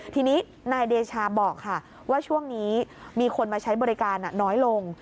ทีนี้นายเดชาบอกค่ะว่าช่วงนี้มีคนมาใช้บริการน้อยลง